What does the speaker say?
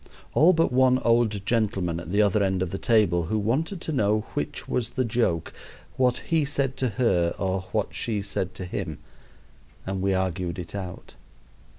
All but one old gentleman at the other end of the table, who wanted to know which was the joke what he said to her or what she said to him; and we argued it out.